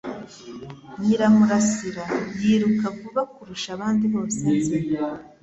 Nyiramurasira yiruka vuba kurusha abandi bose nzi.